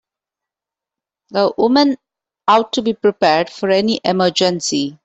A woman ought to be prepared for any emergency.